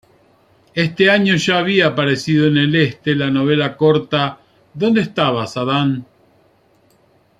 Este año ya había aparecido en el Este la novela corta "¿Dónde estabas, Adán?